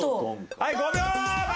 はい５秒前！